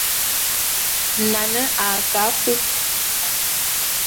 Nane a ke afúp.